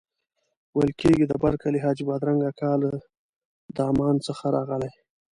ویل کېږي د برکلي حاجي بادرنګ اکا له دمان څخه راغلی.